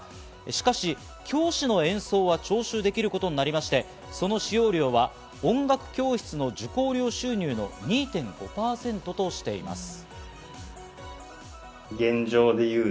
しかし、教師の演奏は徴収できることになりまして、その使用料は音楽教室の受講料収入の２．５％としています。